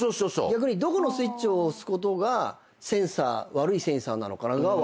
逆にどこのスイッチを押すことが悪いセンサーなのかなが分からない。